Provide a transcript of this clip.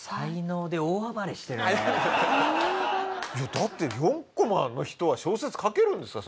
だって４コマの人は小説書けるんですか？